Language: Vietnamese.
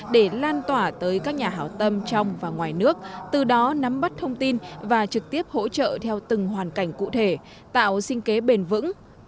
để lan tỏa tới các nhà hảo tâm trong và ngoài nước từ đó nắm bắt thông tin và trực tiếp hỗ trợ theo từng hoàn cảnh cụ thể tạo sinh kế bền vững